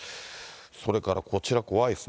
それからこちら、怖いですね。